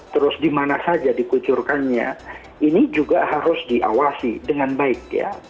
terus di mana saja dikucurkannya ini juga harus diawasi dengan baik